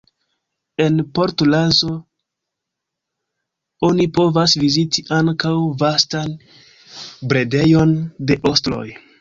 En Port Lazo oni povas viziti ankaŭ vastan bredejon de ostroj.